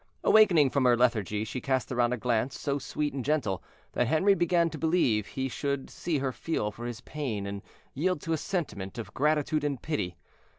Awakening from her lethargy, she cast around her a glance so sweet and gentle, that Henri began to believe he should see her feel for his pain, and yield to a sentiment of gratitude and pity.